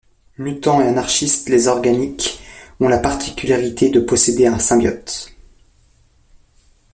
Mutants et anarchistes les organiques ont la particularité de posséder un symbiote.